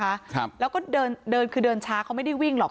ครับแล้วก็เดินเดินคือเดินช้าเขาไม่ได้วิ่งหรอก